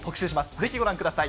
ぜひご覧ください。